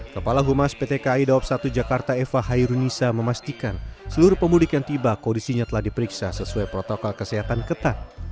kepala humas pt kai dawab satu jakarta eva hairunisa memastikan seluruh pemudik yang tiba kondisinya telah diperiksa sesuai protokol kesehatan ketat